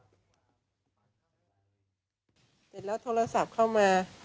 เสร็จแล้วโทรศัพท์เข้ามา